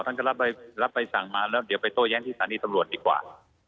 ท่านก็รับใบสั่งมาแล้วเดี๋ยวไปโต้แย้งที่สถานีตำรวจดีกว่า